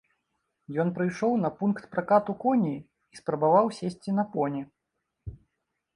Ён прыйшоў на пункт пракату коней і спрабаваў сесці на поні.